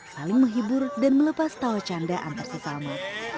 saling menghibur dan melepas tawa canda antar sesama